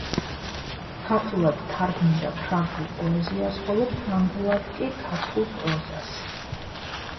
ქართულად თარგმნიდა ფრანგულ პოეზიას, ხოლო ფრანგულად კი ქართულ პროზას.